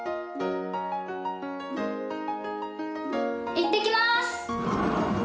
行ってきます！